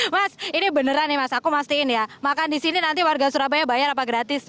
mas ini beneran nih mas aku pastiin ya makan di sini nanti warga surabaya bayar apa gratis